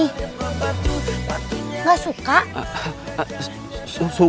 kau lagi berantem sama encut